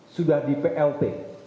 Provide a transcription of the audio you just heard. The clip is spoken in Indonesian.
sudah di plt